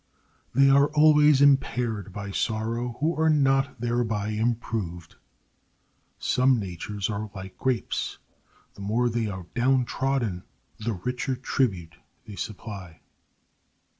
They are always impaired by sorrow who are not thereby improved. Some natures are like grapes—the more they are downtrodden the richer tribute they supply.